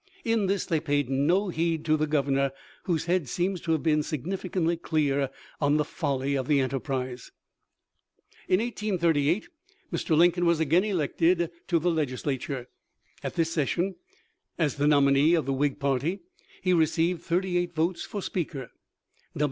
In this they paid no heed to the governor, whose head seems to have been significantly clear on the folly of the enterprise. In 1838 Mr. Lincoln was again elected to the Legislature., At this session, as the nominee of the Whig party, he received thirty eight votes for Speaker.